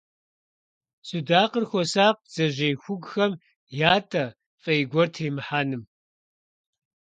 Судакъыр хуосакъ бдзэжьей хугухэм ятӀэ, фӀей гуэр тримыхьэным.